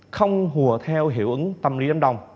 không hùa theo hiệu ứng tâm lý đám đông